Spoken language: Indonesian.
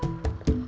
ya udah deh